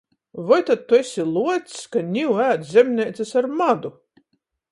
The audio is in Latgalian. Voi tod tu esi luocs, ka niu ēd zemneicys ar madu?